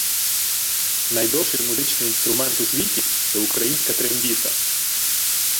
Найдовший музичний інструмент у світі — це українська трембіта